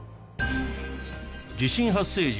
地震発生時